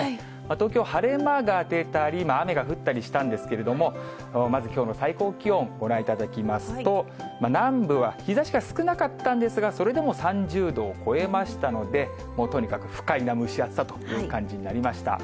東京、晴れ間が出たり、雨が降ったりしたんですけれども、まずきょうの最高気温、ご覧いただきますと、南部は日ざしが少なかったんですが、それでも３０度を超えましたので、とにかく不快な蒸し暑さという感じになりました。